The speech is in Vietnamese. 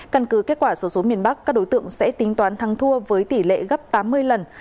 căn cứ kết quả số số miền bắc các đối tượng sẽ tính toán thắng thua với tỷ lệ gấp tám mươi lần